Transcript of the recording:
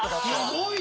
すごいよ！